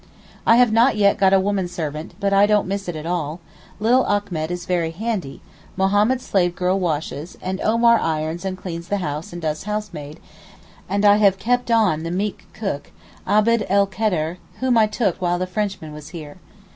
I have not yet got a woman servant, but I don't miss it at all; little Achmet is very handy, Mahommed's slave girl washes, and Omar irons and cleans the house and does housemaid, and I have kept on the meek cook, Abd el Kader, whom I took while the Frenchman was here.